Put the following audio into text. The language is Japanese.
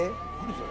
それ。